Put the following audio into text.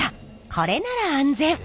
これなら安全！